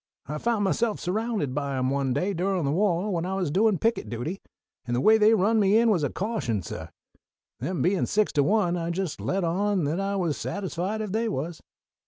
I found myself surrounded by 'em one day durin' the wah when I was doin' picket duty, and the way they run me in was a caution, suh. They bein' six to one, I just let on that I was satisfied if they was."